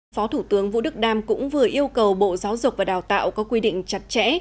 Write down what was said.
phó thủ tướng vũ đức đam cũng vừa yêu cầu bộ giáo dục và đào tạo có quy định chặt chẽ